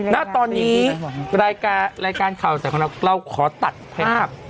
ณตอนนี้รายการข่าวใส่ของเราเราขอตัดภาพ